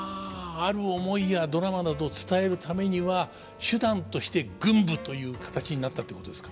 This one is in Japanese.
ある思いやドラマなどを伝えるためには手段として群舞という形になったってことですか？